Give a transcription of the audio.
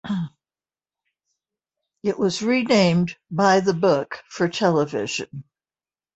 It was renamed "By the Book" for television.